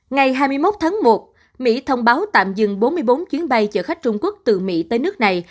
ngày hai mươi một tháng một mỹ thông báo tạm dừng bốn mươi bốn chuyến bay chở khách trung quốc từ mỹ tới nước này